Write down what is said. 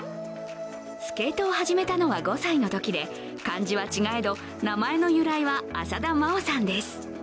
スケートを始めたのは５歳のときで漢字は違えど名前の由来は浅田真央さんです。